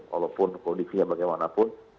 walaupun kondisinya bagaimanapun